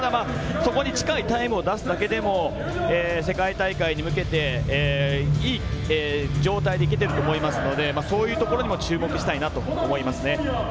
それに近いタイムを出すだけでも世界大会に向けていい状態できていると思いますのでそういうところにも注目したいなと思います。